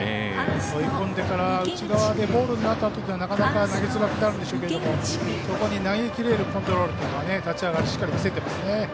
追い込んでから内側でボールになったあと投げづらくなるんですけれどもそこに投げ切れるコントロールは立ち上がりしっかり見せていますね。